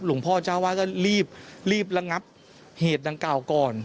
หลวงพ่อเจ้าว่าก็รีบรีบระงับเหตุดังกล่าวก่อน